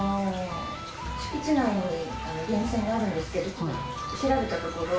敷地内に源泉があるんですけど調べたところ